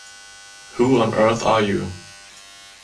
Who on earth are you?